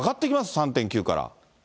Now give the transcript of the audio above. ３．９から。